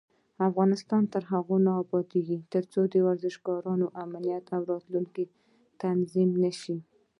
افغانستان تر هغو نه ابادیږي، ترڅو د ورزشکارانو امنیت او راتلونکی تضمین نشي.